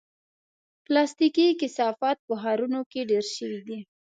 پلاستيکي کثافات په ښارونو کې ډېر شوي دي.